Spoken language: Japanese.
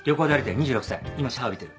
２６歳今シャワー浴びてる。